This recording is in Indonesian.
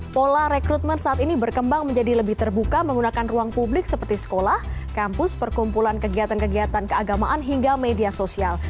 pola rekrutmen saat ini berkembang menjadi lebih terbuka menggunakan ruang publik seperti sekolah kampus perkumpulan kegiatan kegiatan keagamaan hingga media sosial